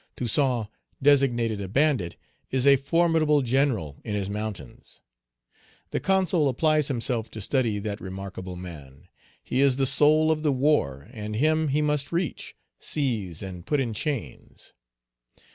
Toussaint, designated a bandit, is a formidable General in his mountains. The Consul applies himself to study that remarkable man. He is the soul of the war, and him he must reach, seize, and put in chains.